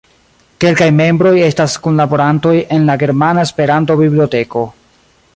Kelkaj membroj estas kunlaborantoj en la Germana Esperanto-Biblioteko.